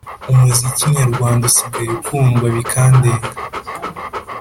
Umuziki nyarwanda usigaye ukundwa bikandenga